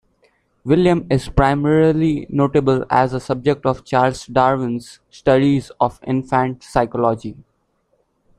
William is primarily notable as a subject of Charles Darwin's studies of infant psychology.